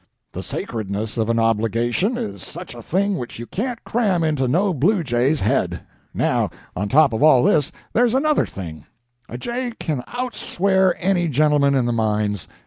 The sacredness of an obligation is such a thing which you can't cram into no bluejay's head. Now, on top of all this, there's another thing; a jay can out swear any gentleman in the mines.